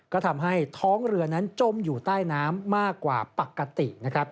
ก็ทำให้ท้องเรือนั้นจมอยู่ใต้น้ำมากกว่าปกตินะครับ